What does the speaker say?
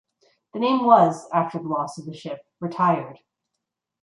The name was after the loss of the ship retired.